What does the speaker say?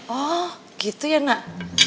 oh gitu ya nak